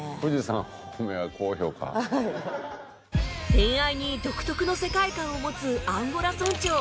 恋愛に独特の世界観を持つアンゴラ村長